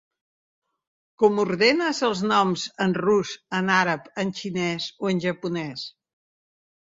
Com ordenes els noms en rus, en àrab, en xinès o en japonès?